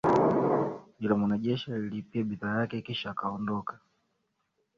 yule mwanajeshi alilipia bidhaa yake kisha akaondoka